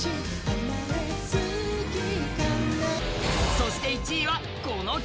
そして１位はこの曲。